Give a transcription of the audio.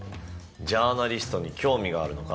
ジャーナリストに興味があるのか？